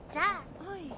はい。